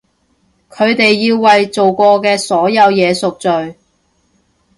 佢哋要為做過嘅所有嘢贖罪！